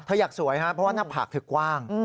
เธออยากสวยเพราะว่าหน้าผากคือกว้าง